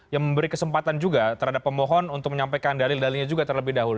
yang memberi kesempatan juga terhadap pemohon untuk menyampaikan dalil dalilnya juga terlebih dahulu